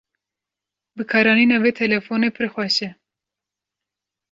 Bikaranîna vê telefonê pir xweş e.